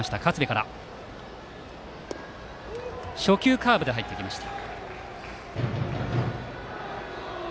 初球、カーブで入りました。